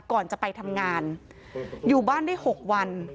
ก่อนจะไปทำงานอยู่บ้านได้๖วัน